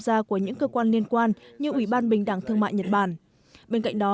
gia của những cơ quan liên quan như ủy ban bình đẳng thương mại nhật bản bên cạnh đó